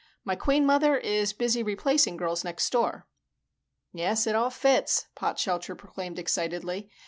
My Queen Mother is busy replacing Girls Next Door." "Yes, it all fits," Potshelter proclaimed excitedly.